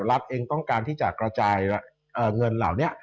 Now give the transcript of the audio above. รัฐเองต้องการที่จะกระจายเงินเหล่านี้